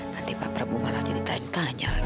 nanti pak prabu malah ditanya tanya lagi